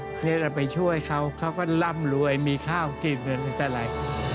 เราก็ไปช่วยเขาเขาก็ร่ำรวยมีข้าวกินอะไรตลาด